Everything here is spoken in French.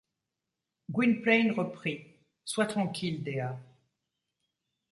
Gwynplaine reprit :— Sois tranquille, Dea.